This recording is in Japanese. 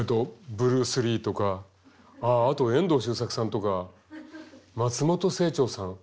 ブルース・リーとかあと遠藤周作さんとか松本清張さん